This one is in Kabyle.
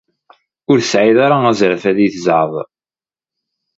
Ur tesɛid ara azref ad iyi-teẓẓɛed.